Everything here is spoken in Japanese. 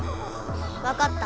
わかった。